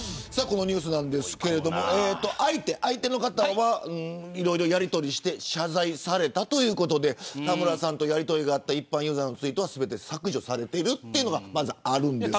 このニュースですが相手の方はいろいろやりとりして謝罪されたということでたむらさんとやりとりがあった一般ユーザーのツイートは全て削除されています。